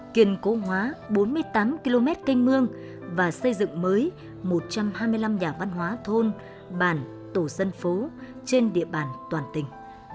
kiên cố hóa bốn mươi tám km canh mương và xây dựng mới một trăm hai mươi năm nhà văn hóa thôn bản tổ dân phố trên địa bàn toàn tỉnh